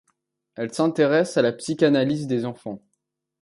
Elle s'intéresse à la psychanalyse des enfants.